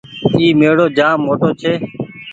اي ميڙو جآم موٽو ڇي۔